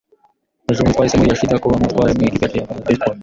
Ejo bundi, twahisemo Yoshida kuba umutware mu ikipe yacu ya baseball.